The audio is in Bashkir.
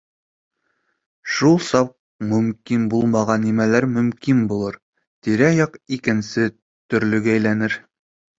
Шул саҡ мөмкин булмаған нәмәләр мөмкин булыр, тирә-яҡ икенсе төрлөгә әйләнер.